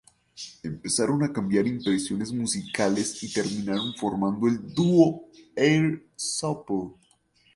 Empezaron a cambiar impresiones musicales y terminaron formando el dúo Air Supply.